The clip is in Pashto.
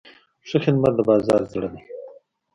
ښه خدمت د بازار زړه دی.